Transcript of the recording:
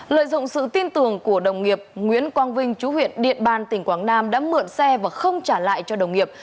lợi dụng sự tin tưởng của đồng nghiệp nguyễn quang vinh chú huyện điện bàn tỉnh quảng nam đã mượn xe và không trả lại cho đồng nghiệp